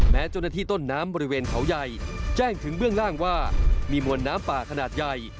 เจ้าหน้าที่ต้นน้ำบริเวณเขาใหญ่แจ้งถึงเบื้องล่างว่ามีมวลน้ำป่าขนาดใหญ่